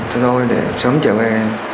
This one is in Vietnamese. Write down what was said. rồi sớm trở về